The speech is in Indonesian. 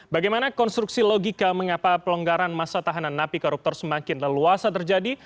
bagaimana konstruksi logika mengapa pelonggaran masa tahanan napi koruptor semakin leluasa terjadi